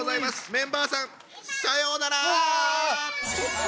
メンバーさんさようなら！